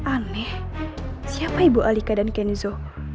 aneh siapa ibu alika dan kenzo